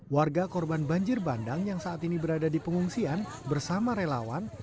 warga korban banjir bandang yang saat ini berada di pengungsian bersama relawan